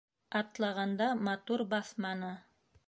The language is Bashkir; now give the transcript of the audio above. Атлағанда матур баҫманы.